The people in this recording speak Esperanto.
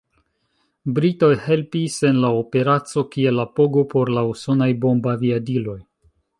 Britoj helpis en la Operaco kiel apogo por la usonaj bombaviadiloj.